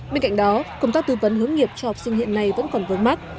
bên cạnh đó công tác tư vấn hướng nghiệp cho học sinh hiện nay vẫn còn vướng mắt